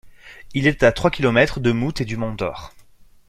Il est à trois kilomètres de Mouthe et du mont d'Or.